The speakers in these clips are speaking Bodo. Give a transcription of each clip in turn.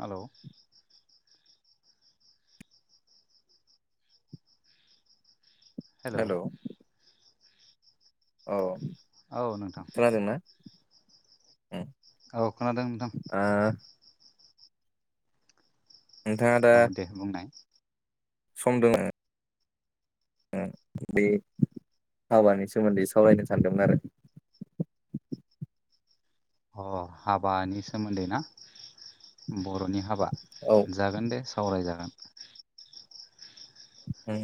हेलौ हेलौ औ औ नोंथां खोनादोंना उम औ खोनादों नोंथां ओ नोंथाङा दा औ दे बुंनाय सम दोङो उम दे हाबानि सोमोन्दै सावरायनो सानदोंमोन आरो अ हाबानि सोमोन्दै ना बर'नि हाबा औ जागोन दे सावराय जागोन उम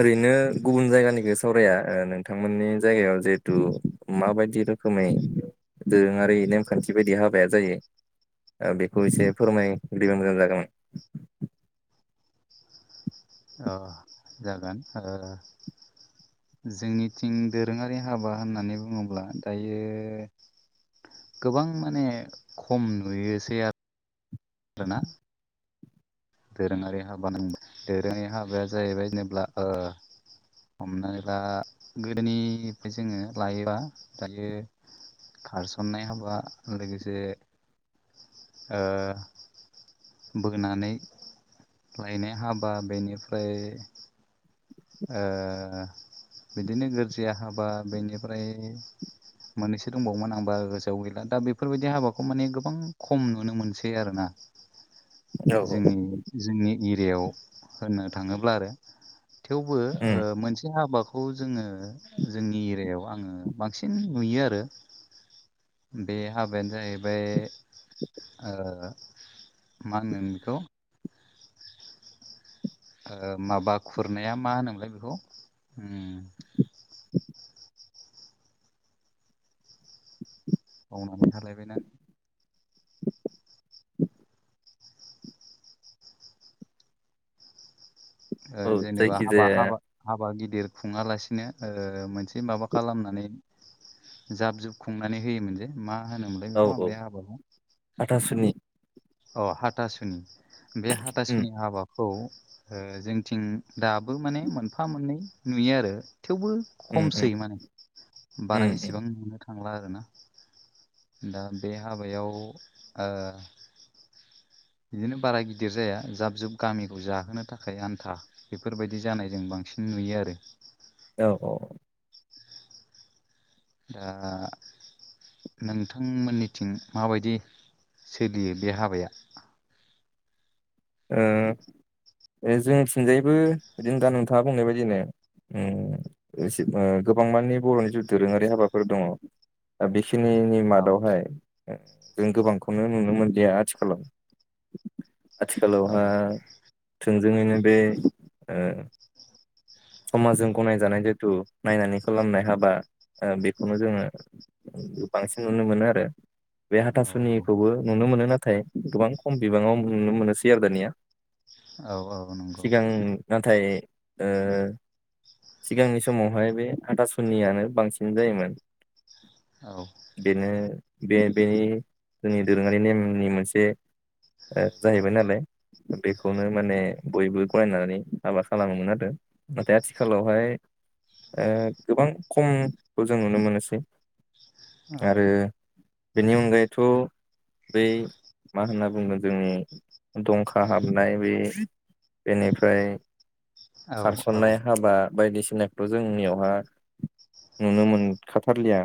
ओरैनो गुबुन जायगानिखौ सावराया नोंथांमोननि जायगायाव जिहेथु माबायदि रोखोमै दोरोङारि नेमखान्थि बायदि हाबाया जायो बेखौ एसे फोरमाय बिदिबा मोजां जागोनमोन अ जागोन ओ जोंनिथिं दोरोङारि हाबा होननानै बुङोब्ला दायो गोबां माने खम नुयोसै आ रो ना दोरोङारि हाबा होन दोरोङारि हाबाया जाहैबाय जेब्ला हमनानै दा गोदोनिफ्राय जोङो लायोबा दायो खारसननाय हाबा लोगोसे बोनानै लायनाय हाबा बेनिफ्राय बिदिनो गोरजिया हाबा बेनिफ्राय मोननैसो दंबावोमोन आंबा गोजोआव गैला दा बेफोरबायदि हाबाखौ माने गोबां खम नुनो मोनसै आरोना औ [inaudible] औ जोंनि जोंनि एरियायाव होननो थाङोब्ला आरो थेवबो ओ उम मोनसे हाबा खौ जोङो जोंनि एरियायाव आङो बांसिन नुयो आरो बे हाबायानो जाहैबाय ओ मा होनगोन बेखौ माबा खुरनाया मा होनोमोनलाय बेखौ उम बावनानै थालायबायना औ जेनेबा हाबा जायखिजाया हाबा हाबा गिदिर खुंङालासे नो ओ मोनसे माबा खालामनानै जाब जुब खुंनानै होयोमोन मा मा होनोमोनलाय औ बेखौ औ बे हाबाखौ हाथासुनि अ हाथासुनि बे उम हाथासुनि हाबाखौ ओ जोंथिं दाबो माने मोनफा मोननै नुयो आरो थेवबो उम खमसै उम माने बारा उम उम इसेबां नुनो थांला आरोना दा बे हाबायाव बिदिनो बारा गिदिर जाया जाब जुब गामिखौ जाहोनो थाखाय आन्था बेफोरबायदि जानायजों बां सिन नुयो आरो औ औ दा नोंथांमोननिथिं माबायदि सोलियो बे हाबाया ओ ए जोंथिंनजायबो बिदिनो दा नोंथांङा बुंनाय बायदिनो उम गोबां मानानि बर'नि जि दोरोंङारि हाबाफोर दंङ दा बे खिनिनि औ मादावहाय जों गोबांखौनो नुनो मोनलिया आथिखालाव औ आथिखालावहा थोंजोङैनो बे ओ समाजजों गनायजानाय जिथु नायनानै खालामनाय हाबा बेखौनो जोंङो बांसिन नुनो मोनो आरो बे औ हाथासुनिखौबो नुनो मोनो नाथाय गोबां खम बिबांङाव नुनो मोनोसै आरो दानिया औ औ औ नंगौ सिगां नाथाय ओ सिगांनि समावहाय बे हाथासुनियानो बांसिन जायोमोन औ बेनो बे बेनि जोंनि दोरोंङारि नेमनि मोनसे जाहैबाय नालाय बेखौनो माने बयबो गरायनानै हाबा खालामोमोन आरो नाथाय आथिखालावहाय गोबां खमखौ जों नुनो मोनोसै औ आरो बेनि अनगायैथ' बै मा होनना बुंगोन जोंनि दंखा हाबनाय बे बेनिफ्राय औ औ खारसननाय हाबा बायदिसिनाखौ' जोंनियावहा नुनो मोनखाथारलिया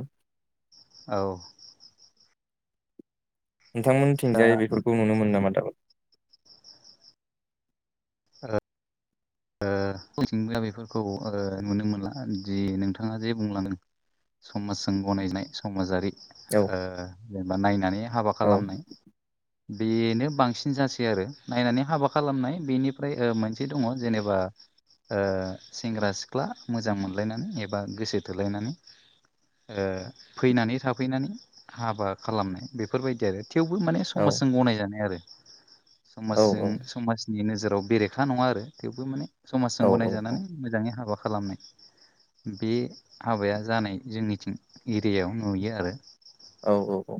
औ नोंथांमोननि थिंजाय बेफोरखौ नुनो मोनो नामा दाबो ओ जोंनिथिंजा बेफोरखौ ओ नुनो मोनला जि नोंथांङा जे बुंलादों समाजजों गनायनाय समाजारि औ ओ जेनेबा नायनानै हाबा औ खालामनाय बेनो बांसिन जासै आरो नायनानै हाबा खालामनाय बेनिफ्राय मोनसे दंङो जेनेबा सेंग्रा सिख्ला मोजां मोनलायनानै एबा गोसो थोलायनानै फैनानै थाफैनानै हाबा खालामनाय बेफोरबायदि आरो थेवबो माने औ समाजजों गनायजानाय आरो औ समाजजों औ समाजनि नोजोराव बेरेखा नंङा आरो थेवबो माने समाजजों औ गनायजानानै मोजांङै हाबा खालामनाय बे हाबाया जानाय जोंनिथिं एरियायाव नुयो आरो औ औ औ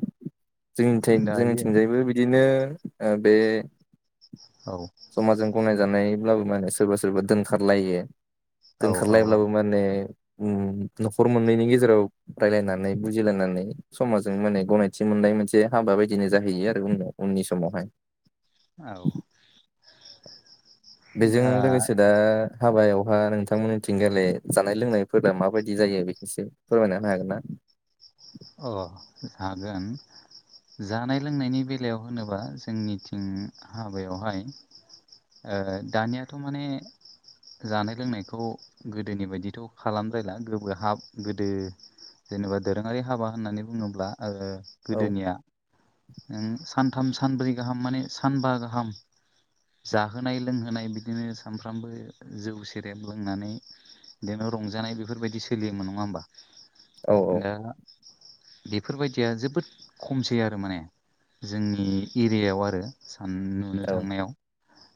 जोंनि जोंनि दायो थिंजायबो बिदि नो बे औ समाजजों गनाय जानायब्लाबो माने सोरबा सोरबा दोनखारलायो औ औ औ दोनखारलायब्लाबो माने उम न'खर मोननैनि गेजेराव रायलायनानै बुजिलायनानै समाजजों माने गनायथि मोननाय मोनसे हाबा बायदिनो जाहैयो आरो उनाव उननि समावहाय औ बेजों दा लोगोसे दा हाबायावहा नोंथांमोननिथिं गेले जानाय लोंनायफोरा माबायदि जायो बेखौसो फोरमायना होनो हागोन ना [inaudible] अ हागोन जानाय लोंनायनि बेलायाव होनोबा जोंनिथिं हाबायावहाय ओ दानियाथ' माने जानाय लोंनायखौ गोदोनि बायदिथ' खालामद्रायला गोबो हाब गोदो जेनेबा दोरोङारि हाबा होननानै बुङोब्ला ओ औ गोदोनिया ओं सान सानथाम सानब्रै गाहाम माने सानबा गाहाम जाहोनाय लोंहोनाय बिदिनो सानफ्रामबो जौ सेरेब लोंनानै बिदिनो रंजानाय बेफोरबायदि सोलियोमोन नङा होमबा औ दा औ बेफोरबायदिया जोबोद खमसै आरो माने जोंनि एरियायाव आरो सान नुनो औ थांनायाव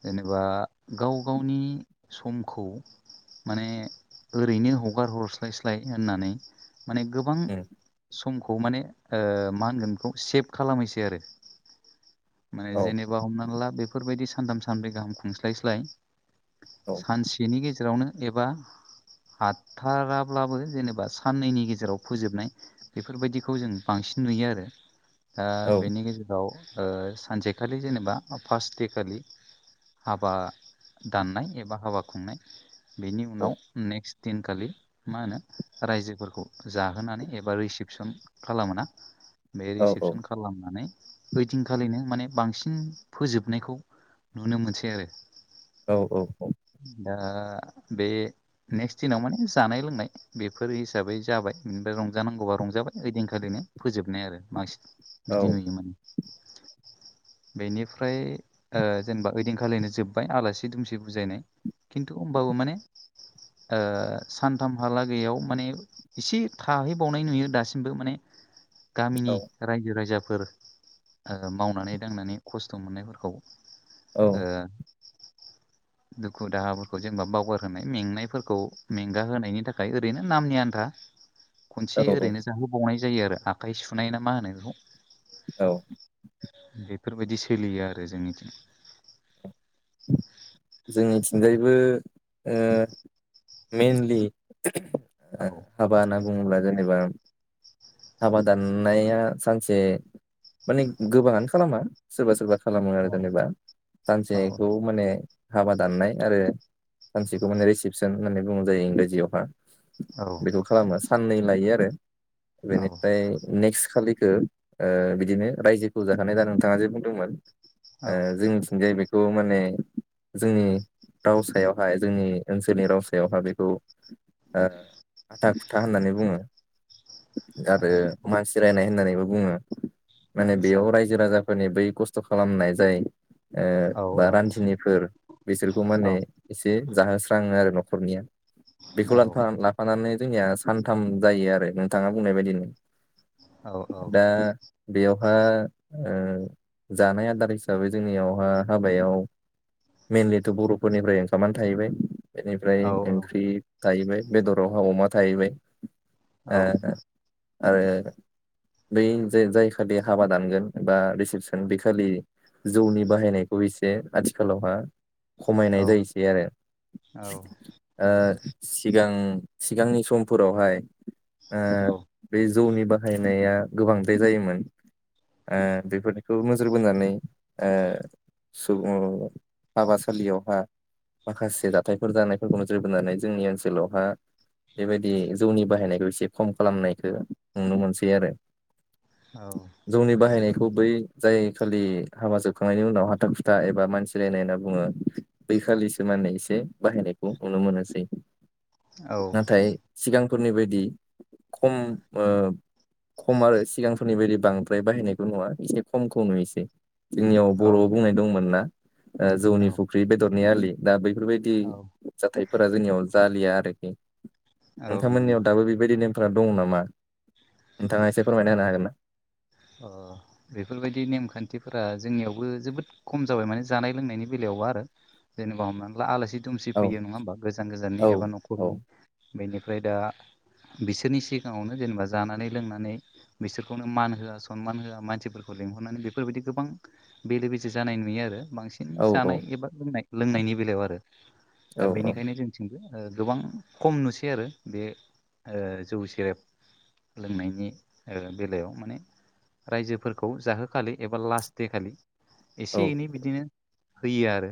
जेनेबा गाव गावनि समखौ माने ओरैनो हगार हरस्लायस्लाय होननानै माने गोबां उम समखौ माने ओ मा होनगोन बेखौ सेभ खालामैसै आरो माने औ जेनेबा हमना ला बेफोरबायदि सानथाम सानब्रै गाहाम खुंस्लायस्लाय औ सानसेनि गेजेरावनो एबा हाथाराब्लाबो जेनेबा साननैनि गेजेराव फोजोबनाय बेफोरबायदिखौ जों बांसिन नुयो आरो दा औ बेनि गेजेराव ओ सानसेखालि जेनेबा फार्स्ट दे खालि हाबा दाननाय एबा हाबा खुंनाय बेनि औ उनाव नेक्स्ट दिनखालि मा होनो रायजोफोरखौ जाहोनानै ए बा रिसिपसन खालामोना बे औ रिसिपसन खालामनानै ओइदिनखालिनो माने बांसिन फोजोबनायखौ नुनो मोनसै आरो औ औ दा बे नेक्स्ट दिनाव माने जानाय लोंनाय बेफोर हिसाबै जाबाय बेनिफ्राय रं जानांगौबा रंजाबाय ओइदिनखालिनो फोजोबनाय आरो बांसिन औ बिदि नुयोमोन [inaudible] बेनिफ्राय जेनेबा ओ ओइदिनखालिनो जोबबाय आलासि दुमसि बुजायनाय खिन्थु होमबाबो माने ओ सानथामहालागैयाव माने एसे थाहै बावनाय नुयो दासिमबो माने औ गामिनि रायजो राजा फोर मावनानै दांनानै खस्थ' मोननायफोरखौ ओ [inaudible] दुखु दाहाफोरखौ जेनेबा बावगार होनाय मेंनायफोरखौ मेंगाहोनायनि थाखाय ओरैनो नामनि आन्था [inaudible] खनसे औ ओरैनो जाहोबावनाय जायो आरो आखाइ सुनाय ना मा होनो बेखौ औ बेफोरबायदि सोलियो आरो जोंनि थिं जोंनिथिंजायबो ओ मेइनलि औ ओ हाबा होनना बुङोब्ला जेनेबा हाबा दाननाया सानसे माने गोबाङानो खालामा सोरबा सोरबा खालामो आरो औ जेनेबा औ सानसेखौ माने हाबा दाननाय आरो सानसेखौ माने रिसिपसन होननानै बुंनाय‌ जायो इंराजियावहा औ बेखौ खालामो साननै लायो आरो औ बेनिफ्राय नेक्स्ट सालिखौ ओ बिदिनो रायजोखौ जाहोनाय दा नोंथाङा जे बुंदोंमोन ओ औ जोंनिथिंजाय बेखौ माने जोंनि राव सायावहाय जोंनि ओनसोलनि राव सायावहाय बेखौ ओ हाथा खुथा होननानै बुङो। आरो औ मानसि रायनाय होननानैबो बुङो माने आदसा बेयाव रायजो राजाफोरनि बै खस्थ खालामनाय जायो औ बा औ रान्थिनिफोर बिसोरखौ औ माने एसे जाहोस्राङो आरो न' खरनिया बेखौ औ लाफानानै जोंनिया सानथाम जायो आरो नोंथाङा बुंनाय बायदिनो औ औ दा बेयावहाय ओ जानाय आदार हिसाबै जोंनियावहा हाबायाव मेइनलिथ' बर'फोरनिफ्राय ओंखामनानै थाहैबाय बेनिफ्राय औ ओंख्रि थाहैबाय बेदराव हा अमा थाहैबाय ओ औ आरो बै जे जाय खालि हाबा दानगोन बा रिसिपसन बे खालि जौनि बाहायनायखौ एसे आथिखालावहा खमायनाय जायोसै आरो ओ सिगां सिगांनि समफोरावहाय औ ओ बे जौनि बाहायनाया गोबांद्राय जायोमोन ओ बेफोरनिखौ नोजोर बोनानै सुबुं हाबासालियावहा माखासे जाथायफोर जानायफोरखौ नोजोर बोनानै जोंनि ओनसोलावहा बेबायदि जौनि बाहायनायखौ एसे खम खालामनायखौ नुनो मोनसै आरो जौनि जोबोद बाहायनायखौ मोजां बै जाय खालि हाबा जोबखांनायनि उनाव हाथा खुथा एबा मानसिलायनाय होनना बुङो बैखालिसो माने एसे बाहायनायखौ नुनो मोनोसै औ नाथाय सिगांफोरनि बायदि खम ओ खम आरो सिगांफोरनि बायदि बांद्राय बाहायनायखौ नुवा एसे खमखौ नुयोसै जोंनियाव बर'आव बुंनाय दंमोन ना औ जौनि फुख्रि बेदरनि आलि दा बै फोरबायदि औ जाथायफोरा जोंनियाव जालिया आरोखि औ नोंथांमोननियाव नंगौ दाबो बेबायदि ने फोरा दङ नामा नोंथाङा एसे फोरमायना होनो हागोन ना बेफोरबायदि नेमखान्थिफोरा जोंनियावबो जोबोद खम जाबाय माने जानाय लोंनायनि बेलायाव आरो जेनेबा ह आलासि दुमसि औ फैयो नङा हबा गोजान औ गोजाननि एबा औ न'खरनि बेनिफ्राय दा बिसोरनि सिगाङावनो जेनेबा जानानै लोंनानै बिसोरखौनो मान होआ गोबां मान होआ मानसिफोरखौ लिंहरनानै बेफोरबायदि गोबां बेले बेजे जानाय नुयो आरो बांसिन औ जानाय औ एबा लोंनाय लोंनायनि बेलायाव आरो औ दा बेनिखायनो जोंथिंबो गोबां खम नुसै आरो बे जौ सेरेब लोंनायनि बेलायाव माने रायजोफोरखौ जाहोखालि एबा लास्ट दे खालि औ एसे एनै बिदिनो होयो आरो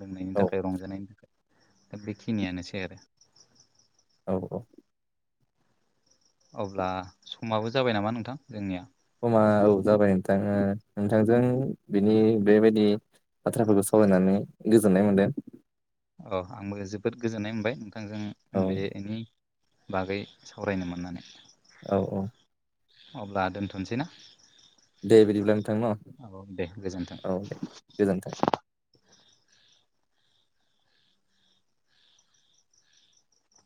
लोंनायनि औ थाखाय रंजानायनि थाखाय दा बेखिनियानोसै आरो औ औ अब्ला समाबो जाबाय नामा नोंथां जोंनिया समा औ जाबाय नोंथाङा नोंथांजों बेबायदि बाथ्राफोरखौ सावरायनानै गोजोननाय मोनदों अ आंबो जोबोद गोजोननाय मोनबाय नोंथांजों औ बेनि बागै सावरायनो मोननानै औ औ अब्ला दोनथनोसै ना दे बिदिब्ला नोंथां न औ दे गोजोन्थों औ दे गोजोन्थों